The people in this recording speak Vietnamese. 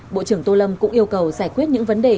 bộ trưởng tô lâm cũng yêu cầu giải quyết những vấn đề